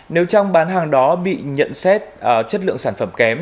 nếu trong bán hàng đó bị nhận xét chất lượng sản phẩm kém